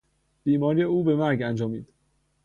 بیماری او به مرگ انجامید.